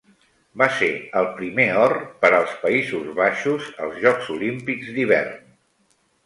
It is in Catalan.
Va ser el primer or per als Països Baixos als Jocs Olímpics d'hivern.